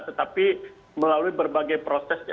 tetapi melalui berbagai proses